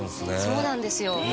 そうなんですよ